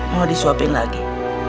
mau disuapin lagi